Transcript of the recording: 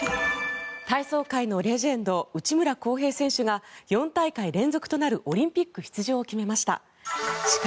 体操界のレジェンド内村航平選手が４大会連続となるオリンピック出場を決めました。